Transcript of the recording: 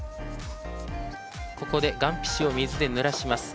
ここでがん皮紙を水でぬらします。